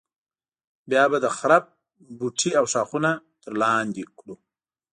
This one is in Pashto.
بیا به د خرپ بوټي او ښاخونه تر لاندې کړو.